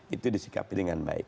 itu disikapi dengan baik